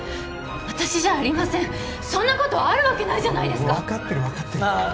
私じゃありませんそんなことあるわけないじゃないですか分かってる分かってるああ